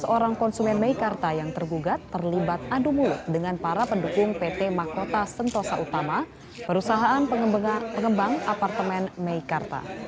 lima belas orang konsumen meikarta yang tergugat terlibat adu mulut dengan para pendukung pt makota sentosa utama perusahaan pengembang apartemen meikarta